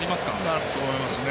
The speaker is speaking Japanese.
なると思いますね。